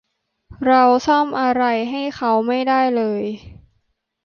เราซ่อมอะไรให้เค้าไม่ได้เลย